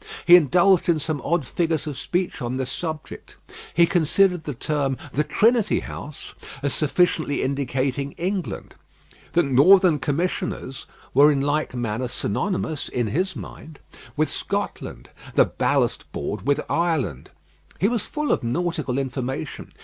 He indulged in some odd figures of speech on this subject. He considered the term "The Trinity House" as sufficiently indicating England. The "Northern Commissioners" were in like manner synonymous in his mind with Scotland; the "Ballast Board," with Ireland. He was full of nautical information.